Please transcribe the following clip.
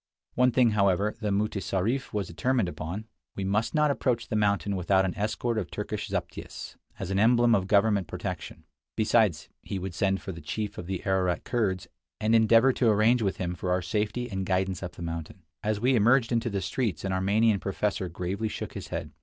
One thing, however, the mutessarif was determined upon: we must not approach the mountain without an escort of Turkish zaptiehs, as an emblem of government protection. Besides, he would send for the chief of the Ararat Kurds, and endeavor to arrange with him for our safety and guidance up the mountain. As we emerged into the streets an Armenian professor gravely shook his head.